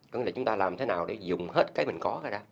có nghĩa là chúng ta làm thế nào để dùng hết cái mình có ra ra